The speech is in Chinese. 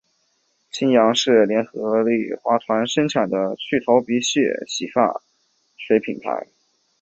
清扬是联合利华集团生产的去头皮屑洗发水品牌。